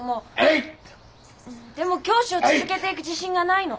でも教師を続けていく自信がないの。